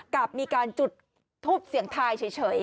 กับมีการจุดทูปเสียงทายเฉย